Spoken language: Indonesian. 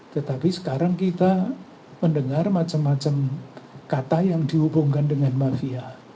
tetapi sekarang kita mendengar macam macam kata yang dihubungkan dengan mafia